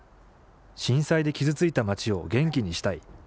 震災で傷ついた町を「元気にしたい」。